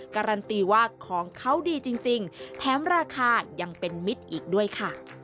การันตีว่าของเขาดีจริงแถมราคายังเป็นมิตรอีกด้วยค่ะ